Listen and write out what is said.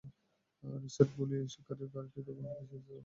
Richard গুলি করে শিকারির গাড়িটি দখলে নিতে চেয়েছিল বলে ধারণা করা হচ্ছে।